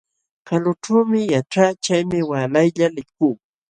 Kalućhuumi yaćhaa, chaymi waalaylla likuu.